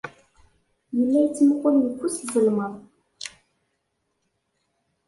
Yella yettmuqqul yeffus, zelmeḍ.